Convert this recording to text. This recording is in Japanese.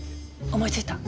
思いついた！